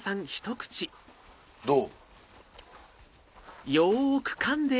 どう？